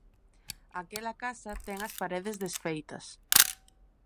Aquela casa ten as paredes desfeitas.